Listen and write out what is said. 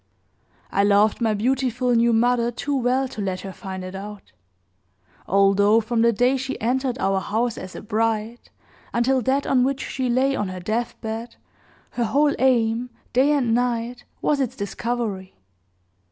I loved my beautiful new mother too well to let her find it out; although from the day she entered our house as a bride, until that on which she lay on her deathbed, her whole aim, day and night, was its discovery.